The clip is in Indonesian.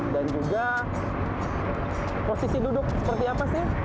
dan juga posisi duduk seperti apa sih